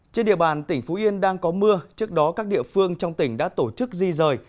trên địa bàn tỉnh phú yên đang có mưa trước đó các địa phương trong tỉnh đã tổ chức di rời